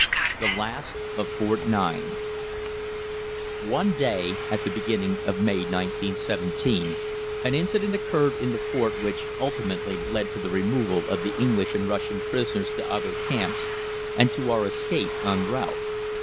THE LAST OF FORT 9 One day at the beginning of May 1917 an incident occurred in the fort which ultimately led to the removal of the English and Russian prisoners to other camps and to our escape en route.